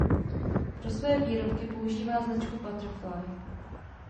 Pro své výrobky používá značku Butterfly.